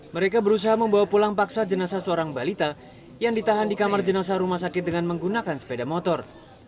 mereka berusaha membawa pulang paksa jenazah seorang balita yang ditahan di kamar jenazah rumah sakit dengan menggunakan sepeda motor